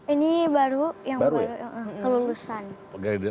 ini baru yang kelulusan